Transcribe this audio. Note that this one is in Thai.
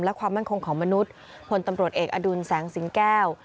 และความมั่นคงของมนุษย์พลตำรวจเอกอดุลแสงสิงแก้ว